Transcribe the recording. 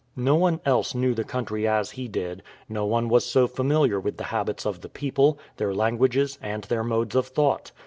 No one else knew the country as he did, no one was so familiar with the habits of the people, their languages, and their modes of thought.